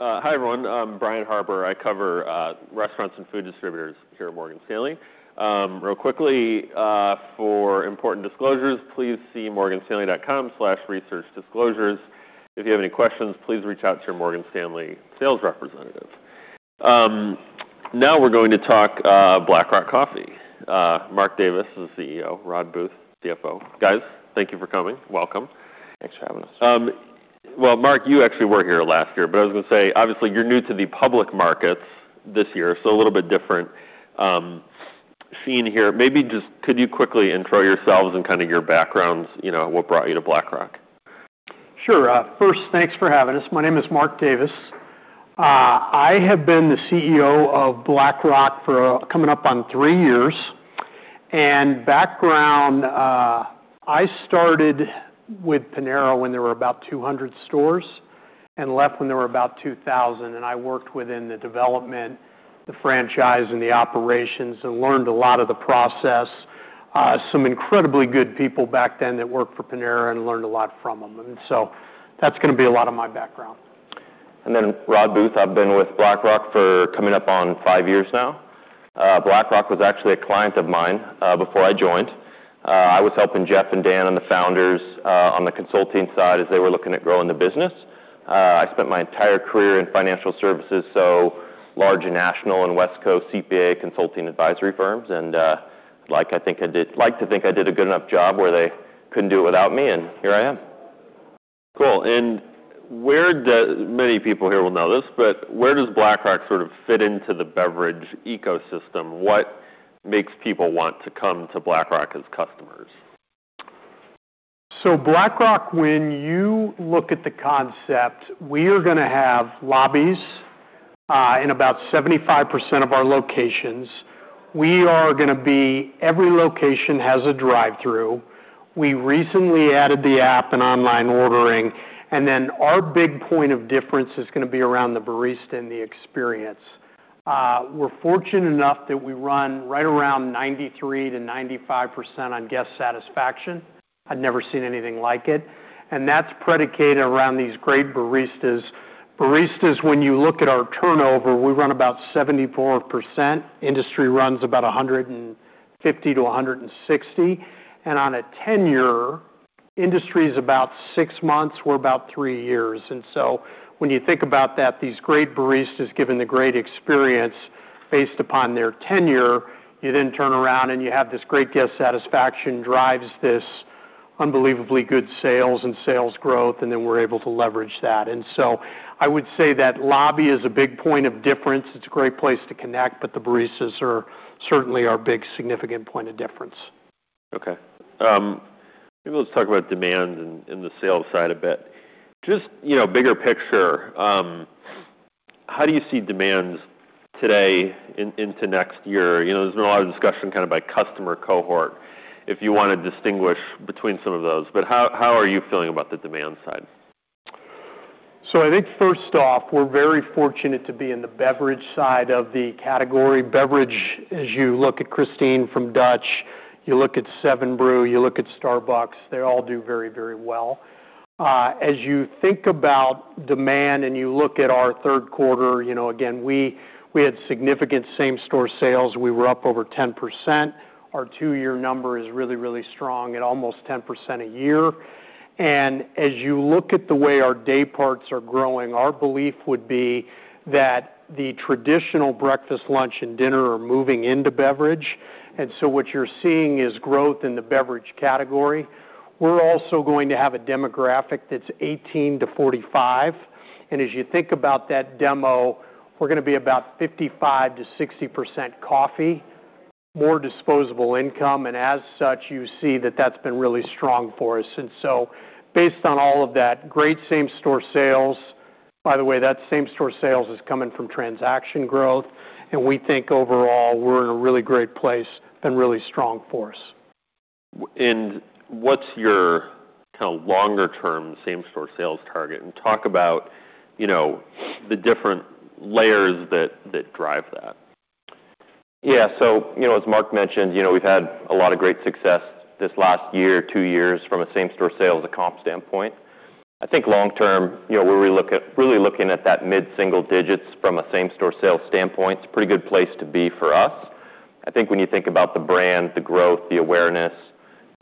Hi everyone. I'm Brian Harbour. I cover restaurants and food distributors here at Morgan Stanley. Real quickly, for important disclosures, please see morganstanley.com/researchdisclosures. If you have any questions, please reach out to your Morgan Stanley sales representative. Now we're going to talk Black Rock Coffee. Mark Davis is the CEO, Rodd Booth CFO. Guys, thank you for coming. Welcome. Thanks for having us. Well, Mark, you actually were here last year, but I was gonna say, obviously, you're new to the public markets this year, so a little bit different. Seated here, maybe just could you quickly intro yourselves and kinda your backgrounds, you know, what brought you to Black Rock? Sure. First, thanks for having us. My name is Mark Davis. I have been the CEO of Black Rock for, coming up on three years. And background, I started with Panera when there were about 200 stores and left when there were about 2,000. And I worked within the development, the franchise, and the operations and learned a lot of the process. Some incredibly good people back then that worked for Panera and learned a lot from them. And so that's gonna be a lot of my background. And then Rodd Booth, I've been with Black Rock for coming up on five years now. Black Rock was actually a client of mine, before I joined. I was helping Jeff and Dan and the founders, on the consulting side as they were looking at growing the business. I spent my entire career in financial services, so largely national and West Coast CPA consulting advisory firms. And, like, I think I did a good enough job where they couldn't do it without me, and here I am. Cool. And, as many people here will know this, but where does Black Rock sort of fit into the beverage ecosystem? What makes people want to come to Black Rock as customers? Black Rock, when you look at the concept, we are gonna have lobbies, in about 75% of our locations. We are gonna be every location has a drive-through. We recently added the app and online ordering. Our big point of difference is gonna be around the barista and the experience. We're fortunate enough that we run right around 93%-95% on guest satisfaction. I've never seen anything like it. That's predicated around these great baristas. Baristas, when you look at our turnover, we run about 74%. Industry runs about 150%-160%. On a tenure, industry's about six months. We're about three years. And so when you think about that, these great baristas, given the great experience based upon their tenure, you then turn around and you have this great guest satisfaction, drives this unbelievably good sales and sales growth, and then we're able to leverage that. And so I would say that lobby is a big point of difference. It's a great place to connect, but the baristas are certainly our big significant point of difference. Okay. Maybe let's talk about demand and the sales side a bit. Just, you know, bigger picture, how do you see demands today into next year? You know, there's been a lot of discussion kinda by customer cohort if you wanna distinguish between some of those. But how are you feeling about the demand side? So I think first off, we're very fortunate to be in the beverage side of the category. Beverage, as you look at Christine from Dutch, you look at 7 Brew, you look at Starbucks, they all do very, very well. As you think about demand and you look at our third quarter, you know, again, we had significant same-store sales. We were up over 10%. Our two-year number is really, really strong at almost 10% a year. And as you look at the way our day parts are growing, our belief would be that the traditional breakfast, lunch, and dinner are moving into beverage. And so what you're seeing is growth in the beverage category. We're also going to have a demographic that's 18 to 45. And as you think about that demo, we're gonna be about 55%-60% coffee, more disposable income. As such, you see that that's been really strong for us. So based on all of that, great same-store sales, by the way, that same-store sales is coming from transaction growth. We think overall we're in a really great place. Been really strong for us. What's your kinda longer-term same-store sales target? Talk about, you know, the different layers that drive that. Yeah. As Mark mentioned, you know, we've had a lot of great success this last year, two years from a same-store sales standpoint. I think long-term, you know, where we look at really looking at that mid-single digits from a same-store sales standpoint, it's a pretty good place to be for us. I think when you think about the brand, the growth, the awareness,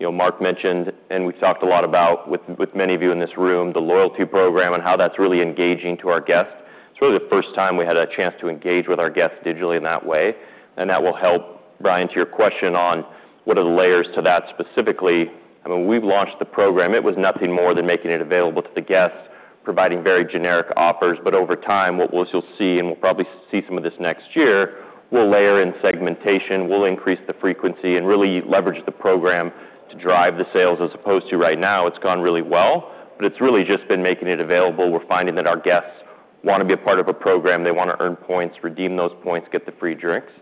you know, Mark mentioned, and we've talked a lot about with many of you in this room, the loyalty program and how that's really engaging to our guests. It's really the first time we had a chance to engage with our guests digitally in that way. And that will help, Brian, to your question on what are the layers to that specifically. I mean, we've launched the program. It was nothing more than making it available to the guests, providing very generic offers. But over time, what we'll, you'll see, and we'll probably see some of this next year, we'll layer in segmentation, we'll increase the frequency, and really leverage the program to drive the sales. As opposed to right now, it's gone really well, but it's really just been making it available. We're finding that our guests wanna be a part of a program. They wanna earn points, redeem those points, get the free drinks.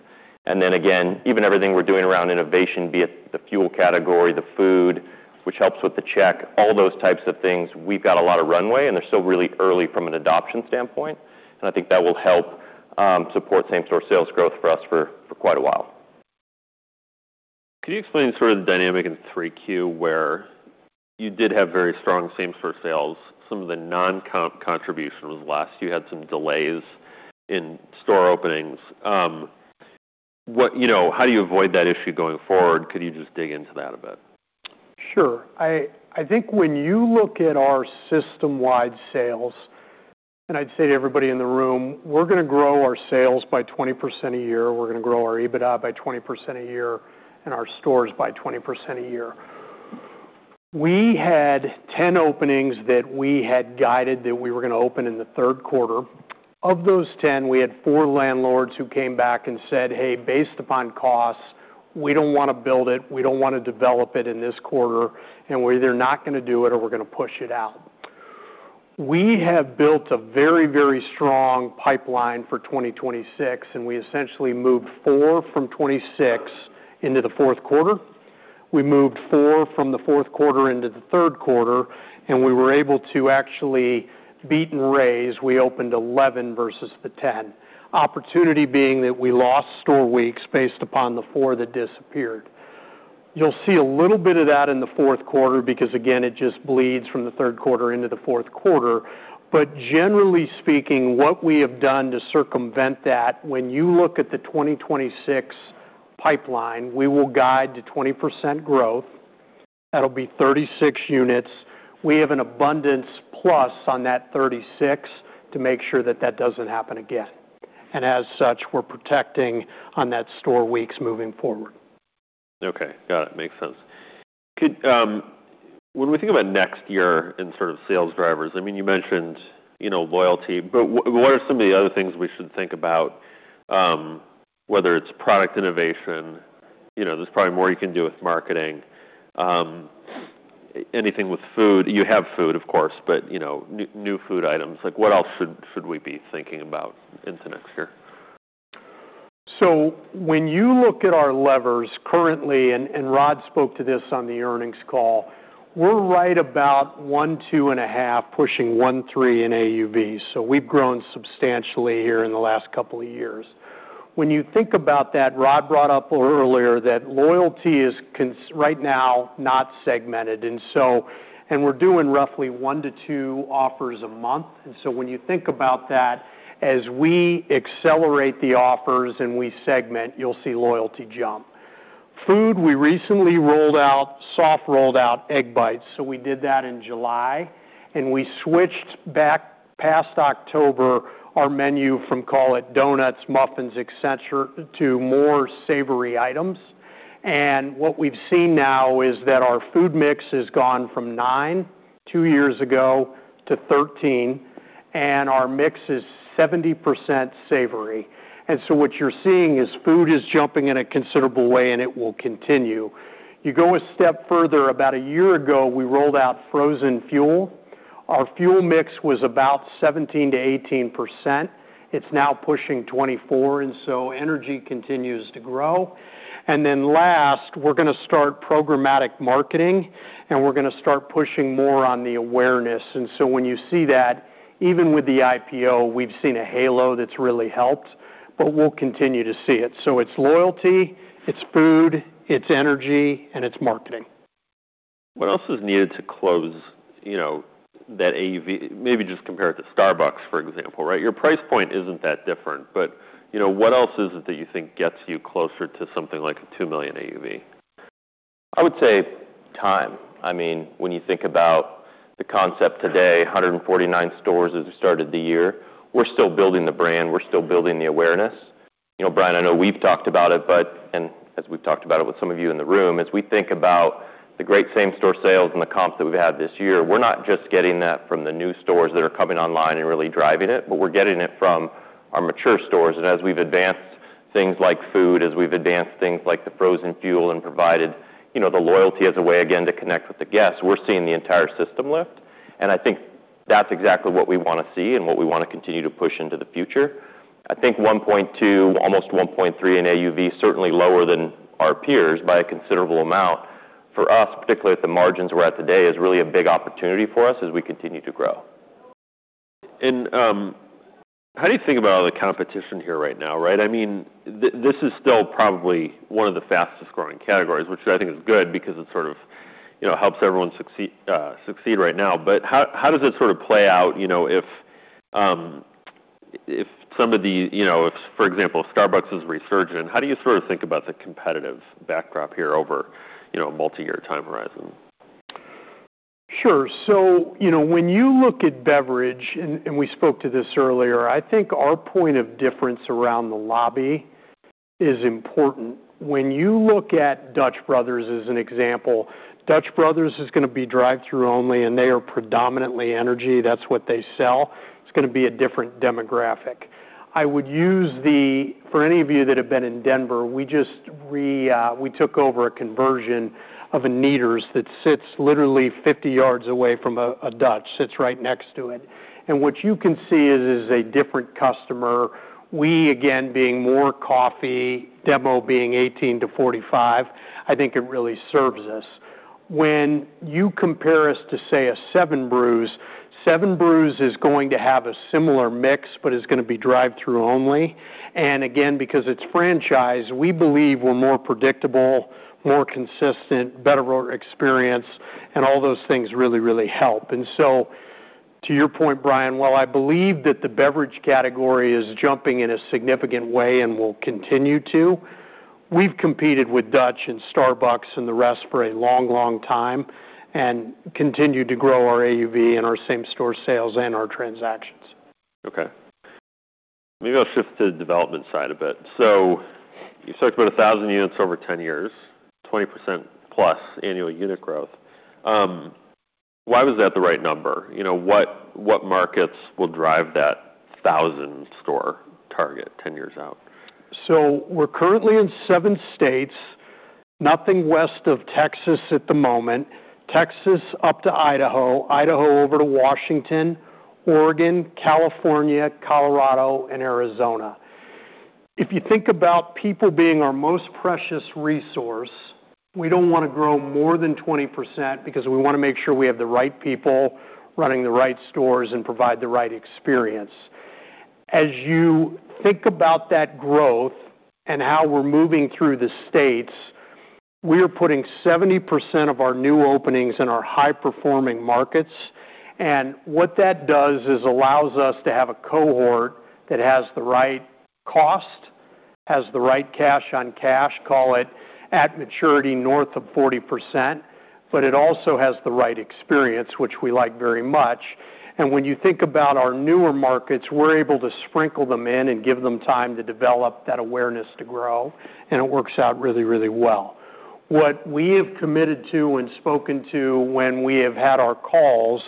Then again, even everything we're doing around innovation, be it the fuel category, the food, which helps with the check, all those types of things, we've got a lot of runway, and they're still really early from an adoption standpoint. And I think that will help support same-store sales growth for us for quite a while. Could you explain sort of the dynamic in 3Q where you did have very strong same-store sales? Some of the non-comp contribution was last. You had some delays in store openings. You know, how do you avoid that issue going forward? Could you just dig into that a bit? Sure. I think when you look at our system-wide sales, and I'd say to everybody in the room, we're gonna grow our sales by 20% a year. We're gonna grow our EBITDA by 20% a year and our stores by 20% a year. We had 10 openings that we had guided that we were gonna open in the third quarter. Of those 10, we had four landlords who came back and said, "Hey, based upon costs, we don't wanna build it. We don't wanna develop it in this quarter. And we're either not gonna do it or we're gonna push it out." We have built a very, very strong pipeline for 2026, and we essentially moved four from 26 into the fourth quarter. We moved four from the fourth quarter into the third quarter, and we were able to actually beat and raise. We opened 11 versus the 10. Opportunity being that we lost store weeks based upon the four that disappeared. You'll see a little bit of that in the fourth quarter because, again, it just bleeds from the third quarter into the fourth quarter. But generally speaking, what we have done to circumvent that, when you look at the 2026 pipeline, we will guide to 20% growth. That'll be 36 units. We have an abundance plus on that 36 to make sure that that doesn't happen again. And as such, we're protecting on that store weeks moving forward. Okay. Got it. Makes sense. Could, when we think about next year and sort of sales drivers, I mean, you mentioned, you know, loyalty, but what are some of the other things we should think about, whether it's product innovation? You know, there's probably more you can do with marketing. Anything with food? You have food, of course, but, you know, new food items. Like, what else should we be thinking about into next year? So when you look at our levers currently, and Rodd spoke to this on the earnings call, we're right about one, two and a half, pushing one, three in AUVs. So we've grown substantially here in the last couple of years. When you think about that, Rodd brought up earlier that loyalty is kind of right now not segmented. And so, and we're doing roughly one to two offers a month. And so when you think about that, as we accelerate the offers and we segment, you'll see loyalty jump. Food, we recently rolled out soft rolled out egg bites. So we did that in July, and we switched back past October our menu from, call it donuts, muffins, etc., to more savory items. And what we've seen now is that our food mix has gone from nine two years ago to 13, and our mix is 70% savory. What you're seeing is food is jumping in a considerable way, and it will continue. You go a step further. About a year ago, we rolled out frozen Fuel. Our Fuel mix was about 17%-18%. It's now pushing 24%. Energy continues to grow. Then last, we're gonna start programmatic marketing, and we're gonna start pushing more on the awareness. When you see that, even with the IPO, we've seen a halo that's really helped, but we'll continue to see it. It's loyalty, it's food, it's energy, and it's marketing. What else is needed to close, you know, that AUV? Maybe just compare it to Starbucks, for example, right? Your price point isn't that different, but, you know, what else is it that you think gets you closer to something like a two million AUV? I would say time. I mean, when you think about the concept today, 149 stores as we started the year, we're still building the brand. We're still building the awareness. You know, Brian, I know we've talked about it, but, and as we've talked about it with some of you in the room, as we think about the great same-store sales and the comp that we've had this year, we're not just getting that from the new stores that are coming online and really driving it, but we're getting it from our mature stores. As we've advanced things like food, as we've advanced things like the frozen fuel and provided, you know, the loyalty as a way again to connect with the guests, we're seeing the entire system lift. I think that's exactly what we wanna see and what we wanna continue to push into the future. I think 1.2, almost 1.3 in AUV, certainly lower than our peers by a considerable amount. For us, particularly at the margins we're at today, is really a big opportunity for us as we continue to grow. How do you think about all the competition here right now, right? I mean, this is still probably one of the fastest growing categories, which I think is good because it sort of, you know, helps everyone succeed right now. But how does it sort of play out, you know, if, for example, if Starbucks is resurgent, how do you sort of think about the competitive backdrop here over, you know, a multi-year time horizon? Sure. So, you know, when you look at beverage, and we spoke to this earlier, I think our point of difference around the lobby is important. When you look at Dutch Brothers as an example, Dutch Brothers is gonna be drive-through only, and they are predominantly energy. That's what they sell. It's gonna be a different demographic. I would use the, for any of you that have been in Denver, we took over a conversion of a Kneaders that sits literally 50 yards away from a Dutch Bros, sits right next to it. And what you can see is a different customer. We, again, being more coffee, demo being 18-45, I think it really serves us. When you compare us to, say, a 7 Brew, 7 Brew is going to have a similar mix but is gonna be drive-through only. Again, because it's franchise, we believe we're more predictable, more consistent, better brand experience, and all those things really, really help. So to your point, Brian, while I believe that the beverage category is jumping in a significant way and will continue to, we've competed with Dutch and Starbucks and the rest for a long, long time and continued to grow our AUV and our same-store sales and our transactions. Okay. Maybe I'll shift to the development side a bit. So you've talked about 1,000 units over 10 years, 20% plus annual unit growth. Why was that the right number? You know, what, what markets will drive that 1,000-store target 10 years out? We're currently in seven states, nothing west of Texas at the moment, Texas up to Idaho, Idaho over to Washington, Oregon, California, Colorado, and Arizona. If you think about people being our most precious resource, we don't wanna grow more than 20% because we wanna make sure we have the right people running the right stores and provide the right experience. As you think about that growth and how we're moving through the states, we are putting 70% of our new openings in our high-performing markets. And what that does is allows us to have a cohort that has the right cost, has the right cash-on-cash, call it at maturity north of 40%, but it also has the right experience, which we like very much. And when you think about our newer markets, we're able to sprinkle them in and give them time to develop that awareness to grow, and it works out really, really well. What we have committed to and spoken to when we have had our calls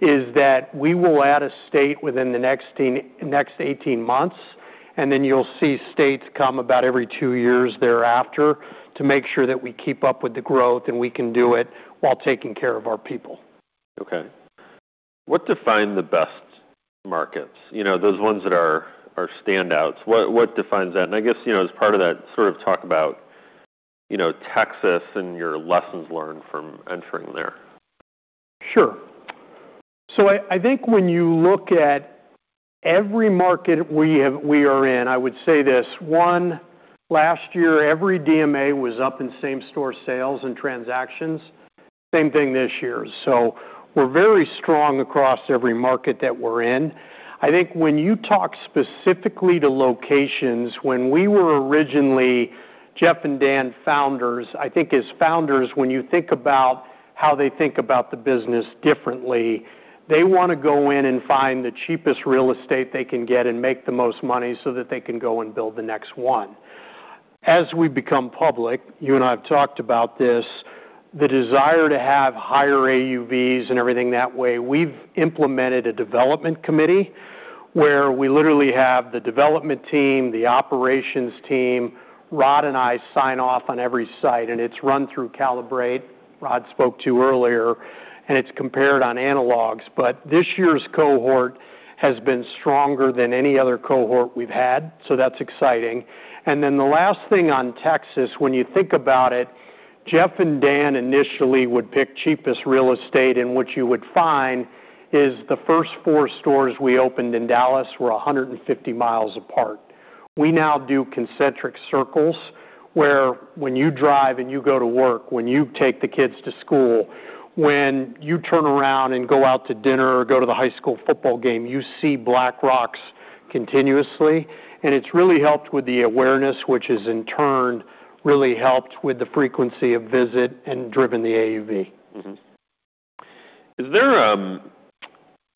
is that we will add a state within the next 18 months, and then you'll see states come about every two years thereafter to make sure that we keep up with the growth and we can do it while taking care of our people. Okay. What defines the best markets? You know, those ones that are standouts. What defines that? And I guess, you know, as part of that, sort of talk about, you know, Texas and your lessons learned from entering there. Sure. So I, I think when you look at every market we have, we are in, I would say this: one, last year, every DMA was up in same-store sales and transactions, same thing this year. So we're very strong across every market that we're in. I think when you talk specifically to locations, when we were originally Jeff and Dan founders, I think as founders, when you think about how they think about the business differently, they wanna go in and find the cheapest real estate they can get and make the most money so that they can go and build the next one. As we become public, you and I have talked about this, the desire to have higher AUVs and everything that way, we've implemented a development committee where we literally have the development team, the operations team, Rodd and I sign off on every site, and it's run through Kalibrate. Rodd spoke to earlier, and it's compared on analogs. But this year's cohort has been stronger than any other cohort we've had. So that's exciting. And then the last thing on Texas, when you think about it, Jeff and Dan initially would pick cheapest real estate, and what you would find is the first four stores we opened in Dallas were 150 mi apart. We now do concentric circles where, when you drive and you go to work, when you take the kids to school, when you turn around and go out to dinner or go to the high school football game, you see Black Rock's continuously, and it's really helped with the awareness, which has in turn really helped with the frequency of visit and driven the AUV. Mm-hmm. Is there,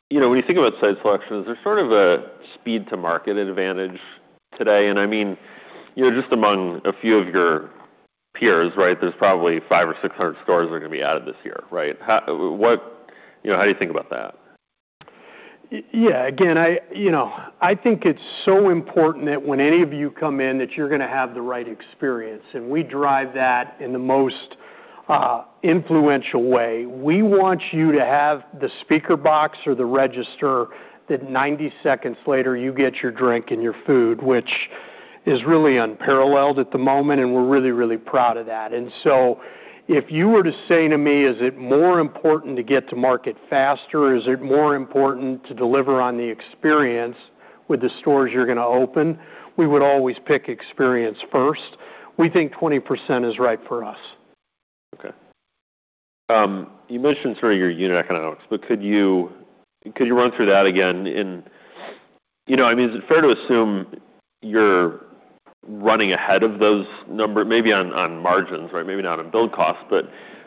you know, when you think about site selection, is there sort of a speed-to-market advantage today? And I mean, you know, just among a few of your peers, right, there's probably five or six hundred stores that are gonna be added this year, right? How, what, you know, how do you think about that? Yeah. Again, I, you know, I think it's so important that when any of you come in, that you're gonna have the right experience. And we drive that in the most influential way. We want you to have the speaker box or the register that 90 seconds later you get your drink and your food, which is really unparalleled at the moment, and we're really, really proud of that. And so if you were to say to me, is it more important to get to market faster? Is it more important to deliver on the experience with the stores you're gonna open? We would always pick experience first. We think 20% is right for us. Okay. You mentioned through your unit economics, but could you, could you run through that again in, you know, I mean, is it fair to assume you're running ahead of those numbers, maybe on, on margins, right? Maybe not on build costs, but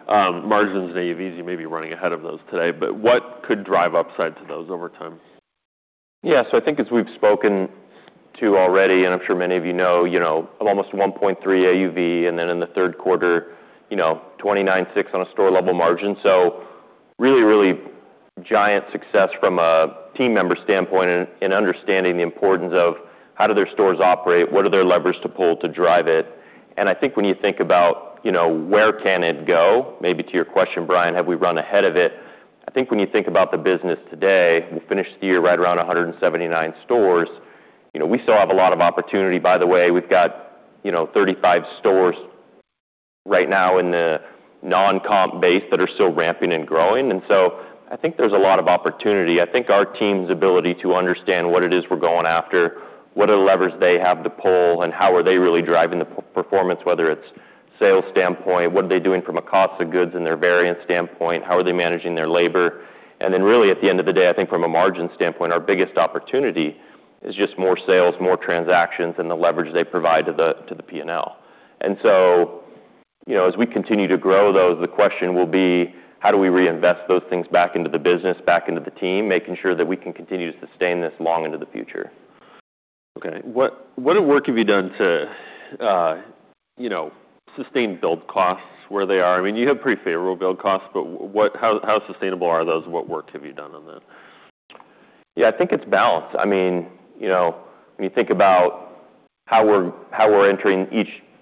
margins and AUVs, you may be running ahead of those today. But what could drive upside to those over time? Yeah. So I think as we've spoken to already, and I'm sure many of you know, you know, an almost $1.3 million AUV, and then in the third quarter, you know, 29.6% on a store-level margin. So really, really giant success from a team member standpoint in, in understanding the importance of how do their stores operate, what are their levers to pull to drive it. I think when you think about, you know, where can it go, maybe to your question, Brian, have we run ahead of it? I think when you think about the business today, we'll finish the year right around 179 stores. You know, we still have a lot of opportunity. By the way, we've got, you know, 35 stores right now in the non-comp base that are still ramping and growing. And so I think there's a lot of opportunity. I think our team's ability to understand what it is we're going after, what are the levers they have to pull, and how are they really driving the performance, whether it's sales standpoint, what are they doing from a cost of goods and their variance standpoint, how are they managing their labor. And then really, at the end of the day, I think from a margin standpoint, our biggest opportunity is just more sales, more transactions, and the leverage they provide to the P&L. And so, you know, as we continue to grow those, the question will be, how do we reinvest those things back into the business, back into the team, making sure that we can continue to sustain this long into the future? Okay. What work have you done to, you know, sustain build costs where they are? I mean, you have pretty favorable build costs, but how sustainable are those? What work have you done on that? Yeah. I think it's balanced. I mean, you know, when you think about how we're entering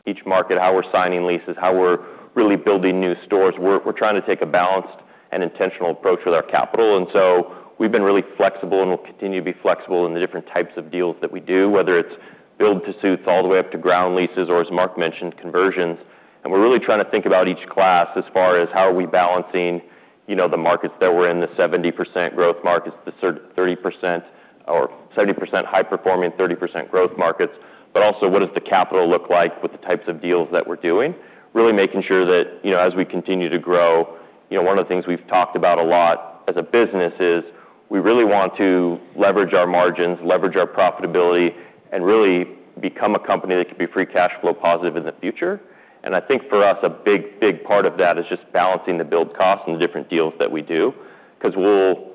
each market, how we're signing leases, how we're really building new stores, we're trying to take a balanced and intentional approach with our capital, and so we've been really flexible and will continue to be flexible in the different types of deals that we do, whether it's build-to-suits all the way up to ground leases or, as Mark mentioned, conversions. We're really trying to think about each class as far as how are we balancing, you know, the markets that we're in, the 70% growth markets, the 30% or 70% high-performing, 30% growth markets, but also what does the capital look like with the types of deals that we're doing, really making sure that, you know, as we continue to grow, you know, one of the things we've talked about a lot as a business is we really want to leverage our margins, leverage our profitability, and really become a company that can be free cash flow positive in the future. And I think for us, a big, big part of that is just balancing the build costs and the different deals that we do because we'll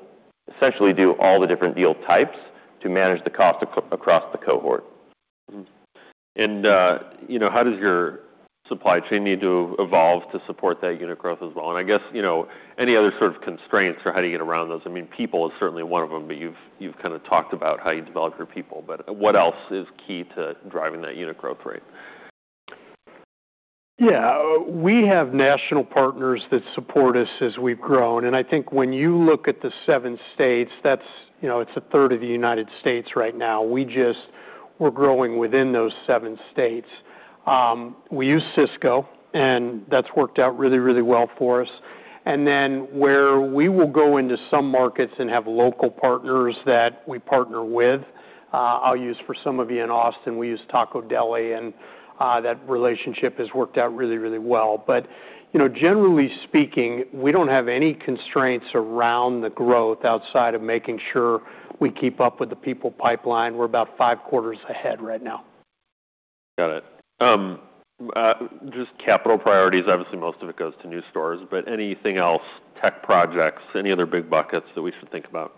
essentially do all the different deal types to manage the cost across the cohort. You know, how does your supply chain need to evolve to support that unit growth as well? I guess, you know, any other sort of constraints or how do you get around those? I mean, people is certainly one of them, but you've kind of talked about how you develop your people, but what else is key to driving that unit growth rate? Yeah, we have national partners that support us as we've grown. I think when you look at the seven states, that's, you know, it's a third of the United States right now. We just, we're growing within those seven states. We use Sysco, and that's worked out really, really well for us. Then where we will go into some markets and have local partners that we partner with, I'll use for some of you in Austin, we use Tacodeli, and that relationship has worked out really, really well. But you know, generally speaking, we don't have any constraints around the growth outside of making sure we keep up with the people pipeline. We're about five quarters ahead right now. Got it. Just capital priorities. Obviously, most of it goes to new stores, but anything else, tech projects, any other big buckets that we should think about?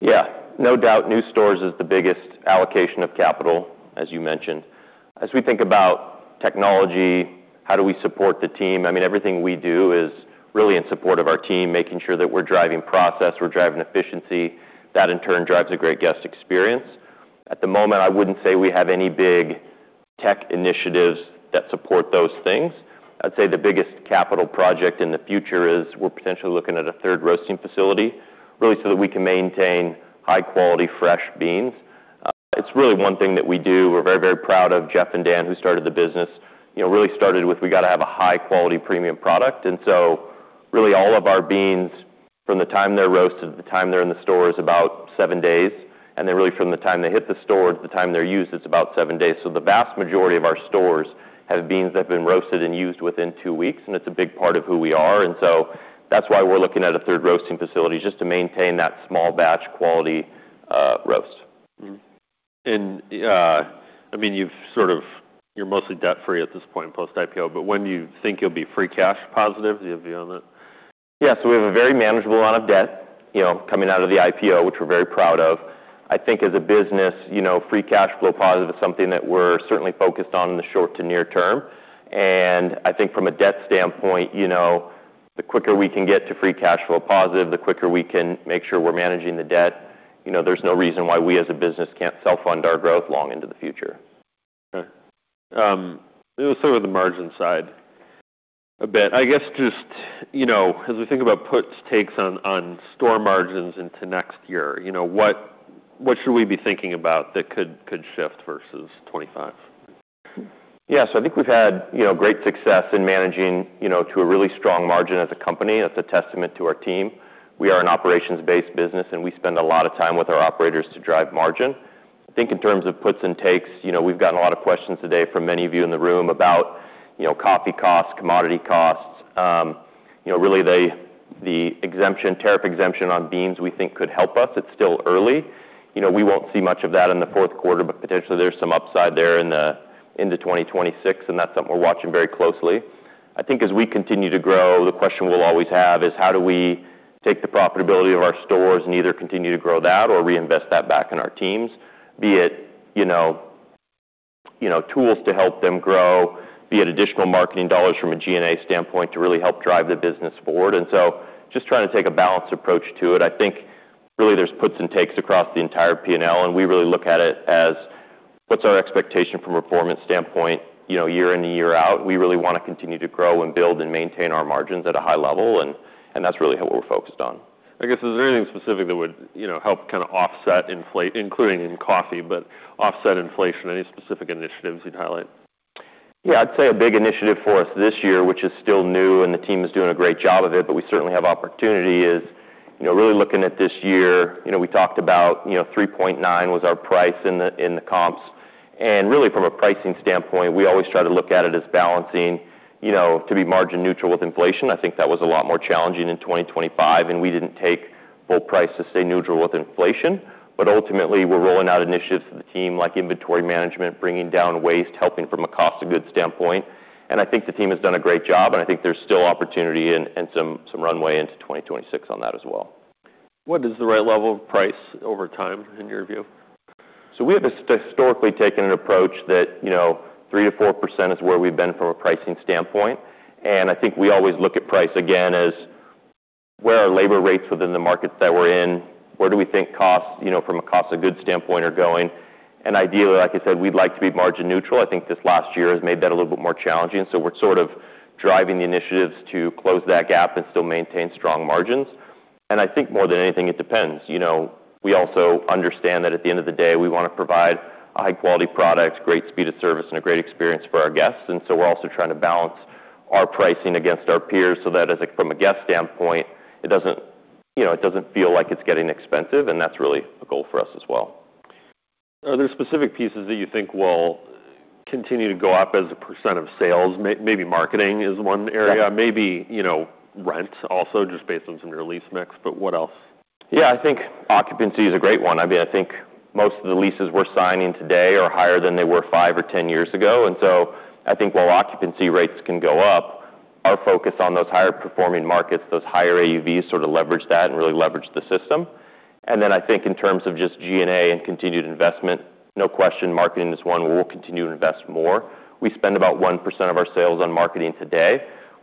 Yeah. No doubt new stores is the biggest allocation of capital, as you mentioned. As we think about technology, how do we support the team? I mean, everything we do is really in support of our team, making sure that we're driving process, we're driving efficiency. That in turn drives a great guest experience. At the moment, I wouldn't say we have any big tech initiatives that support those things. I'd say the biggest capital project in the future is we're potentially looking at a third roasting facility, really, so that we can maintain high-quality, fresh beans. It's really one thing that we do. We're very, very proud of Jeff and Dan, who started the business, you know, really started with we gotta have a high-quality, premium product. And so really all of our beans, from the time they're roasted to the time they're in the store, is about seven days. And then really from the time they hit the store to the time they're used, it's about seven days. So the vast majority of our stores have beans that have been roasted and used within two weeks, and it's a big part of who we are. And so that's why we're looking at a third roasting facility, just to maintain that small batch quality, roast. Mm-hmm. And, I mean, you've sort of, you're mostly debt-free at this point post-IPO, but when do you think you'll be free cash positive? Do you have a view on that? Yeah. So we have a very manageable amount of debt, you know, coming out of the IPO, which we're very proud of. I think as a business, you know, free cash flow positive is something that we're certainly focused on in the short to near term. And I think from a debt standpoint, you know, the quicker we can get to free cash flow positive, the quicker we can make sure we're managing the debt, you know, there's no reason why we as a business can't self-fund our growth long into the future. Okay. Let's start with the margin side a bit. I guess just, you know, as we think about puts and takes on store margins into next year, you know, what should we be thinking about that could shift versus 2025? Yeah. So I think we've had, you know, great success in managing, you know, to a really strong margin as a company. That's a testament to our team. We are an operations-based business, and we spend a lot of time with our operators to drive margin. I think in terms of puts and takes, you know, we've gotten a lot of questions today from many of you in the room about, you know, coffee costs, commodity costs, you know, really the exemption, tariff exemption on beans we think could help us. It's still early. You know, we won't see much of that in the fourth quarter, but potentially there's some upside there in the into 2026, and that's something we're watching very closely. I think as we continue to grow, the question we'll always have is how do we take the profitability of our stores and either continue to grow that or reinvest that back in our teams, be it, you know, tools to help them grow, be it additional marketing dollars from a G&A standpoint to really help drive the business forward. And so just trying to take a balanced approach to it. I think really there's puts and takes across the entire P&L, and we really look at it as what's our expectation from a performance standpoint, you know, year in and year out. We really wanna continue to grow and build and maintain our margins at a high level, and that's really what we're focused on. I guess, is there anything specific that would, you know, help kind of offset inflation, including in coffee, but offset inflation? Any specific initiatives you'd highlight? Yeah. I'd say a big initiative for us this year, which is still new, and the team is doing a great job of it, but we certainly have opportunity, is, you know, really looking at this year. You know, we talked about, you know, 3.9% was our price in the comps. And really from a pricing standpoint, we always try to look at it as balancing, you know, to be margin neutral with inflation. I think that was a lot more challenging in 2025, and we didn't take full price to stay neutral with inflation. But ultimately, we're rolling out initiatives to the team like inventory management, bringing down waste, helping from a cost of goods standpoint. And I think the team has done a great job, and I think there's still opportunity and some runway into 2026 on that as well. What is the right level of price over time in your view? So we have historically taken an approach that, you know, 3%-4% is where we've been from a pricing standpoint. And I think we always look at price again as where are labor rates within the markets that we're in? Where do we think costs, you know, from a cost of goods standpoint are going? And ideally, like I said, we'd like to be margin neutral. I think this last year has made that a little bit more challenging. So we're sort of driving the initiatives to close that gap and still maintain strong margins. And I think more than anything, it depends. You know, we also understand that at the end of the day, we wanna provide a high-quality product, great speed of service, and a great experience for our guests. And so we're also trying to balance our pricing against our peers so that from a guest standpoint, it doesn't, you know, it doesn't feel like it's getting expensive. And that's really a goal for us as well. Are there specific pieces that you think will continue to go up as a percent of sales? Maybe marketing is one area. Maybe, you know, rent also just based on some of your lease mix, but what else? Yeah. I think occupancy is a great one. I mean, I think most of the leases we're signing today are higher than they were five or 10 years ago. And so I think while occupancy rates can go up, our focus on those higher-performing markets, those higher AUVs sort of leverage that and really leverage the system. And then I think in terms of just G&A and continued investment, no question marketing is one. We'll continue to invest more. We spend about 1% of our sales on marketing today.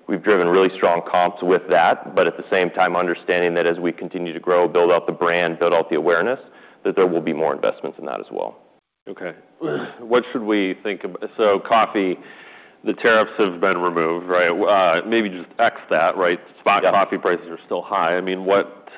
We've driven really strong comps with that, but at the same time, understanding that as we continue to grow, build out the brand, build out the awareness, that there will be more investments in that as well. Okay. What should we think about? So coffee, the tariffs have been removed, right? Maybe just X that, right? Spot coffee prices are still high. I mean, what,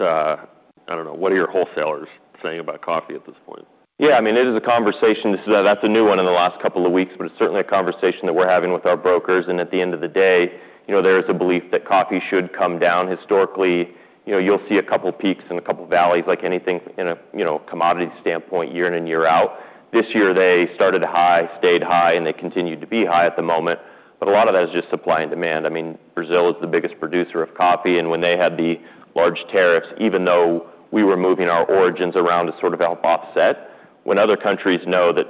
I don't know, what are your wholesalers saying about coffee at this point? Yeah. I mean, it is a conversation. This is, that's a new one in the last couple of weeks, but it's certainly a conversation that we're having with our brokers. And at the end of the day, you know, there is a belief that coffee should come down. Historically, you know, you'll see a couple peaks and a couple valleys, like anything in a, you know, commodity standpoint year in and year out. This year, they started high, stayed high, and they continued to be high at the moment. But a lot of that is just supply and demand. I mean, Brazil is the biggest producer of coffee, and when they had the large tariffs, even though we were moving our origins around to sort of help offset, when other countries know that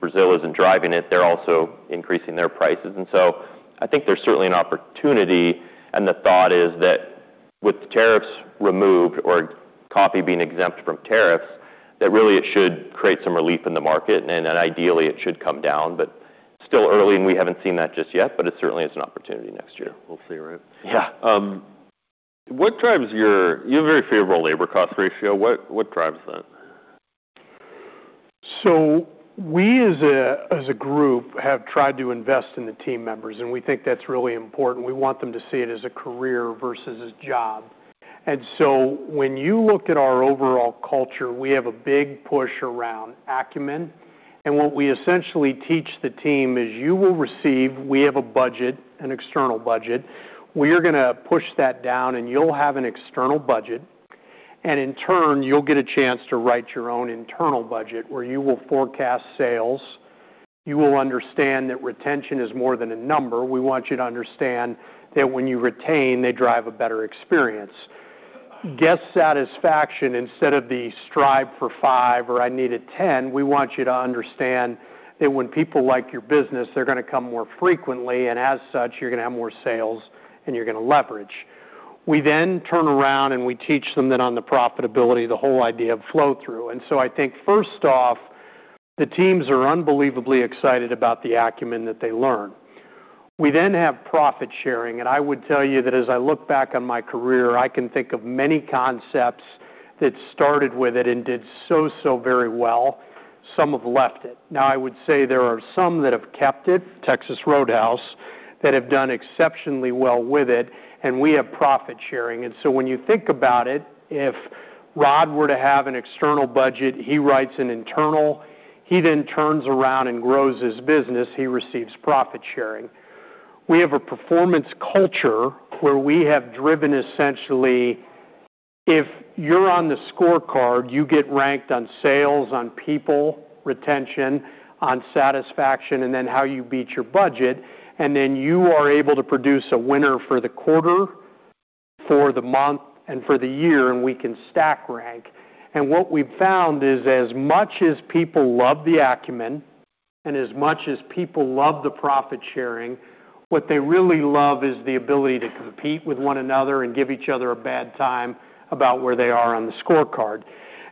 Brazil isn't driving it, they're also increasing their prices. And so I think there's certainly an opportunity, and the thought is that with tariffs removed or coffee being exempt from tariffs, that really it should create some relief in the market, and ideally it should come down. But still early, and we haven't seen that just yet, but it certainly is an opportunity next year. We'll see, right? Yeah. You have a very favorable labor cost ratio. What drives that? So we as a group have tried to invest in the team members, and we think that's really important. We want them to see it as a career versus a job. And so when you look at our overall culture, we have a big push around acumen. And what we essentially teach the team is you will receive, we have a budget, an external budget. We are gonna push that down, and you'll have an external budget. And in turn, you'll get a chance to write your own internal budget where you will forecast sales. You will understand that retention is more than a number. We want you to understand that when you retain, they drive a better experience. Guest satisfaction instead of the drive for five or I need a 10. We want you to understand that when people like your business, they're gonna come more frequently, and as such, you're gonna have more sales and you're gonna leverage. We then turn around and we teach them that on the profitability, the whole idea of flow through. I think first off, the teams are unbelievably excited about the acumen that they learn. We then have profit sharing, and I would tell you that as I look back on my career, I can think of many concepts that started with it and did so, so very well. Some have left it. Now I would say there are some that have kept it, Texas Roadhouse, that have done exceptionally well with it, and we have profit sharing. And so when you think about it, if Rodd were to have an external budget, he writes an internal, he then turns around and grows his business, he receives profit sharing. We have a performance culture where we have driven essentially, if you're on the scorecard, you get ranked on sales, on people, retention, on satisfaction, and then how you beat your budget, and then you are able to produce a winner for the quarter, for the month, and for the year, and we can stack rank. And what we've found is as much as people love the acumen and as much as people love the profit sharing, what they really love is the ability to compete with one another and give each other a bad time about where they are on the scorecard.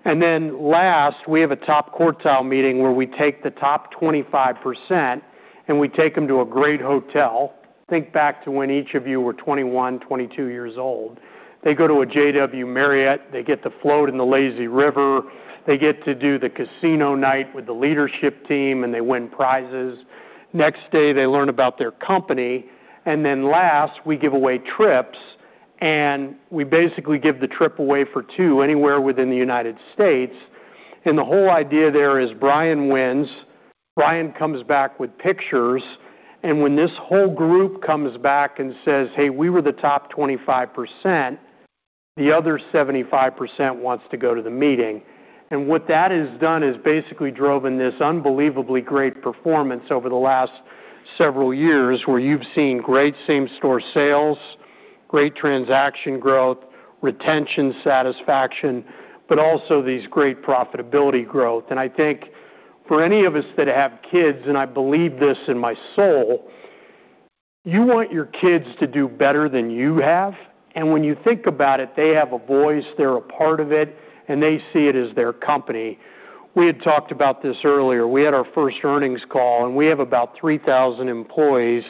And then last, we have a top quartile meeting where we take the top 25% and we take them to a great hotel. Think back to when each of you were 21, 22 years old. They go to a JW Marriott, they get to float in the lazy river, they get to do the casino night with the leadership team, and they win prizes. Next day, they learn about their company. And then last, we give away trips, and we basically give the trip away for two anywhere within the United States. And the whole idea there is Brian wins, Brian comes back with pictures, and when this whole group comes back and says, "Hey, we were the top 25%," the other 75% wants to go to the meeting. What that has done is basically driven this unbelievably great performance over the last several years where you've seen great same-store sales, great transaction growth, retention satisfaction, but also these great profitability growth. I think for any of us that have kids, and I believe this in my soul, you want your kids to do better than you have. When you think about it, they have a voice, they're a part of it, and they see it as their company. We had talked about this earlier. We had our first earnings call, and we have about 3,000 employees,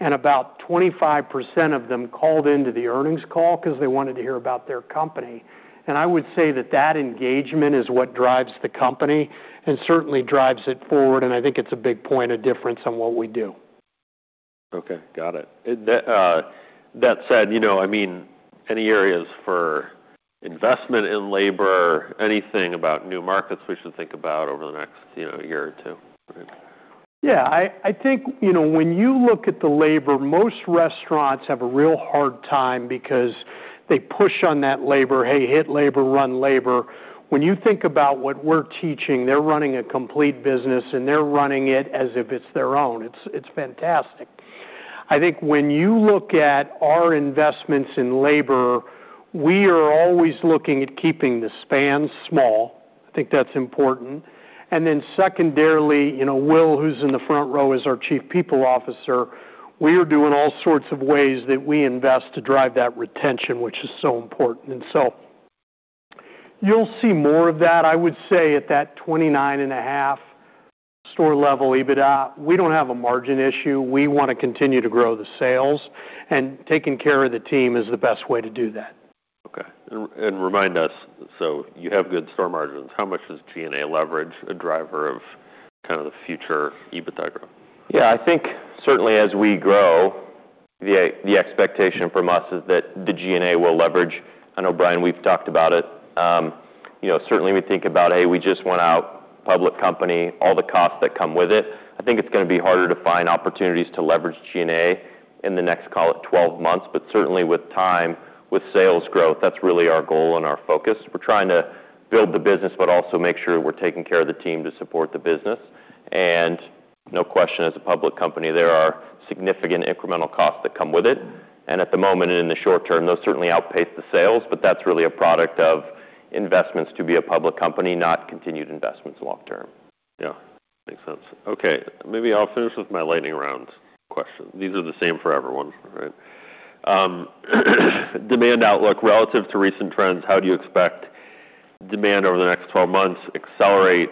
and about 25% of them called into the earnings call 'cause they wanted to hear about their company. I would say that that engagement is what drives the company and certainly drives it forward, and I think it's a big point of difference on what we do. Okay. Got it. And that said, you know, I mean, any areas for investment in labor, anything about new markets we should think about over the next, you know, year or two? Yeah. I, I think, you know, when you look at the labor, most restaurants have a real hard time because they push on that labor, "Hey, hit labor, run labor." When you think about what we're teaching, they're running a complete business, and they're running it as if it's their own. It's, it's fantastic. I think when you look at our investments in labor, we are always looking at keeping the spans small. I think that's important. And then secondarily, you know, Will, who's in the front row as our Chief People Officer, we are doing all sorts of ways that we invest to drive that retention, which is so important. And so you'll see more of that, I would say, at that 29.5% store-level EBITDA. We don't have a margin issue. We wanna continue to grow the sales, and taking care of the team is the best way to do that. Okay. Remind us, so you have good store margins. How much is G&A leverage a driver of kind of the future EBITDA growth? Yeah. I think certainly as we grow, the expectation from us is that the G&A will leverage. I know, Brian, we've talked about it. You know, certainly we think about, "Hey, we just went public company," all the costs that come with it. I think it's gonna be harder to find opportunities to leverage G&A in the next, call it 12 months, but certainly with time, with sales growth, that's really our goal and our focus. We're trying to build the business, but also make sure we're taking care of the team to support the business. And no question, as a public company, there are significant incremental costs that come with it. And at the moment and in the short term, those certainly outpace the sales, but that's really a product of investments to be a public company, not continued investments long term. Yeah. Makes sense. Okay. Maybe I'll finish with my lightning round question. These are the same for everyone, right? Demand outlook relative to recent trends, how do you expect demand over the next 12 months: accelerate,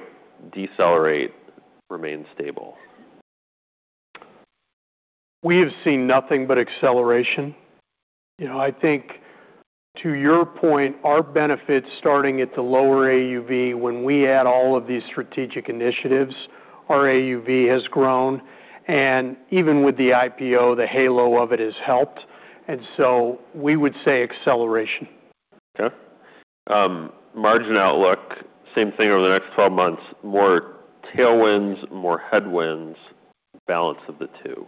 decelerate, remain stable? We have seen nothing but acceleration. You know, I think to your point, our benefit starting at the lower AUV, when we add all of these strategic initiatives, our AUV has grown, and even with the IPO, the halo of it has helped, and so we would say acceleration. Okay. Margin outlook, same thing over the next 12 months, more tailwinds, more headwinds, balance of the two?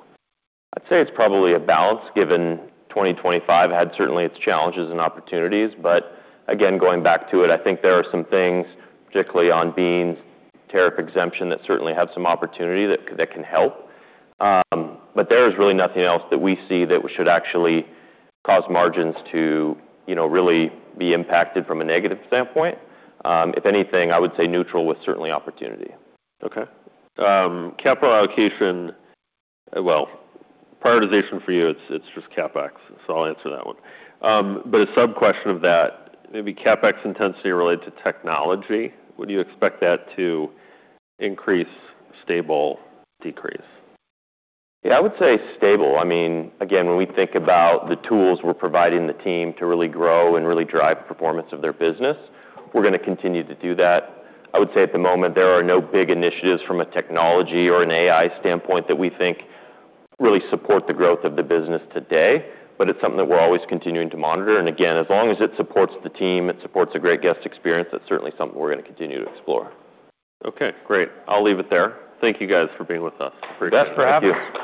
I'd say it's probably a balance given 2025 had certainly its challenges and opportunities. But again, going back to it, I think there are some things, particularly on beans, tariff exemption that certainly have some opportunity that, that can help. But there is really nothing else that we see that should actually cause margins to, you know, really be impacted from a negative standpoint. If anything, I would say neutral with certainly opportunity. Okay. Capital allocation, well, prioritization for you, it's, it's just CapEx. So I'll answer that one. But a sub-question of that, maybe CapEx intensity related to technology. Would you expect that to increase, stable, decrease? Yeah. I would say stable. I mean, again, when we think about the tools we're providing the team to really grow and really drive performance of their business, we're gonna continue to do that. I would say at the moment, there are no big initiatives from a technology or an AI standpoint that we think really support the growth of the business today, but it's something that we're always continuing to monitor, and again, as long as it supports the team, it supports a great guest experience. That's certainly something we're gonna continue to explore. Okay. Great. I'll leave it there. Thank you guys for being with us. Thanks for having us.